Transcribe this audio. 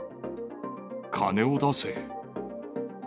金を出せ。